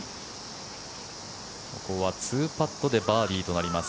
ここは２パットでバーディーとなります。